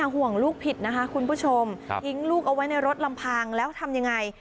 ห่วงลูกผิดนะคะคุณผู้ชมทิ้งลูกเอาไว้ในรถลำพังแล้วทำยังไง